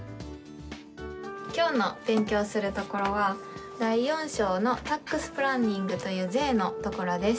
きょうの勉強するところは第４章のタックスプランニングという税のところです。